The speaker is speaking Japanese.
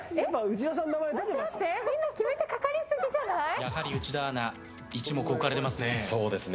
やはり内田アナ一目置かれていますね。